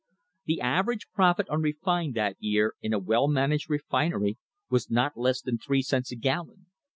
The average profit on refined that year in a well managed refinery was not less than three cents a gallon.